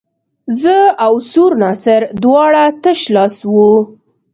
زه او سور ناصر دواړه تش لاس وو.